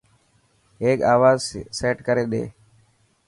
هڪ آواز سيٽ ڪري ڏي.